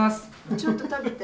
ちょっと食べて？